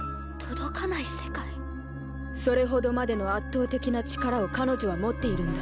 それほどまでの圧倒的な力を彼女は持っているんだ。